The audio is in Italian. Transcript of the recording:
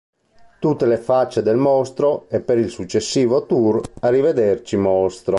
Tutte le facce del mostro" e per il successivo tour "Arrivederci, Mostro!